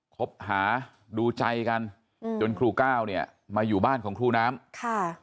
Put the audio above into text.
คบหาดูใจกันอืมจนครูก้าวเนี่ยมาอยู่บ้านของครูน้ำค่ะ